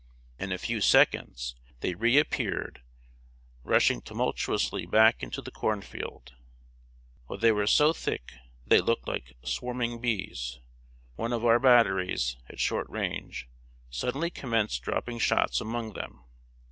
In a few seconds, they reappeared, rushing tumultuously back into the corn field. While they were so thick that they looked like swarming bees, one of our batteries, at short range, suddenly commenced dropping shots among them.